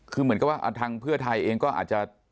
คือเหมือนกับว่าทางเพื่อไทยเองก็อาจจะ